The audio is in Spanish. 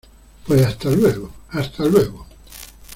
pues hasta luego. hasta luego .